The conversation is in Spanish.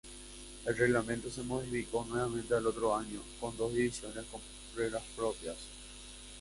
El reglamento se modificó nuevamente al otro año, con dos divisiones con reglas propias.